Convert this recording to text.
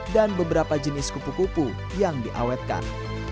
dan beberapa jenis kupu kupu yang diawetkan